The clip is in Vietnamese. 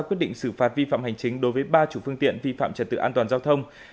quyết định xử phạt vi phạm hành chính đối với ba chủ phương tiện vi phạm trật tự an toàn giao thông